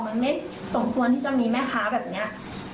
มันไม่สมควรที่จะมีแม่ค้าแบบนี้